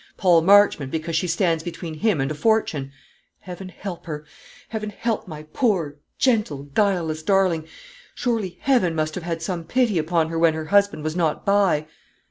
Paul Marchmont, because she stands between him and a fortune. Heaven help her! Heaven help my poor, gentle, guileless darling! Surely Heaven must have had some pity upon her when her husband was not by!"